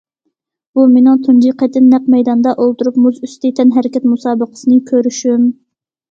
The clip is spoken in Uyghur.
بۇ مېنىڭ تۇنجى قېتىم نەق مەيداندا ئولتۇرۇپ، مۇز ئۈستى تەنھەرىكەت مۇسابىقىسىنى كۆرۈشۈم.